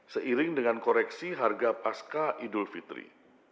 seiring dengan koreksi harga pasca idul fitri